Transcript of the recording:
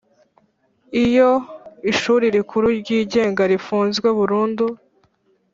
Iyo ishuri rikuru ryigenga rifunzwe burundu